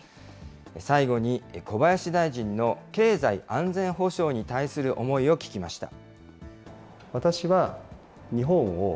最後に、小林大臣の経済安全保障に対する思いを聞きました。